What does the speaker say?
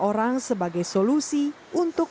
orang sebagai solusi untuk